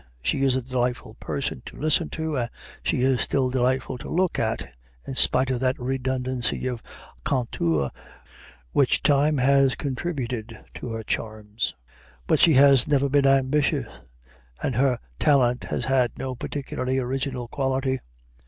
She is a delightful person to listen to, and she is still delightful to look at, in spite of that redundancy of contour which time has contributed to her charms. But she has never been ambitious and her talent has had no particularly original quality.